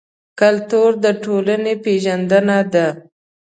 کلتور د ټولنې پېژندنه ده.